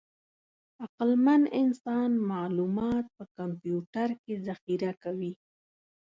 عقلمن انسان معلومات په کمپیوټر کې ذخیره کوي.